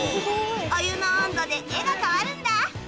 お湯の温度で絵が変わるんだ。